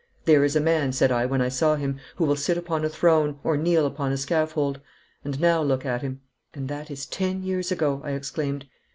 "There is a man," said I, when I saw him, "who will sit upon a throne or kneel upon a scaffold." And now look at him!' 'And that is ten years ago,' I exclaimed.